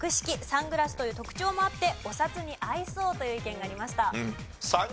サングラスという特徴もあってお札に合いそうという意見がありました。